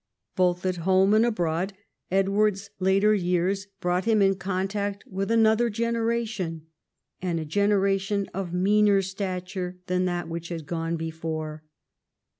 Both at home and abroad, Edward's later years brought him in contact with another genei'ation, and a generation of meaner stature than that which had gone before.